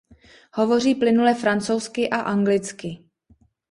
Hovoří plynule francouzsky a anglicky.